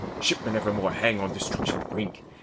Shipmen evermore Hang on destruction's brink.